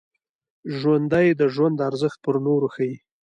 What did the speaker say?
ژوندي د ژوند ارزښت پر نورو ښيي